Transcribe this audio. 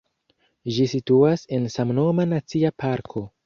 Ĝi situas en samnoma nacia parko.